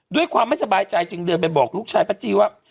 ด้วยความไม่สบายใจจึงเดินไปบอกลูกชายป้าจี้ว่า